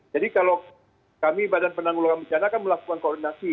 jadi kalau kami badan penanggulangan bincana akan melakukan koordinasi